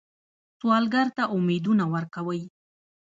سوالګر ته امیدونه ورکوئ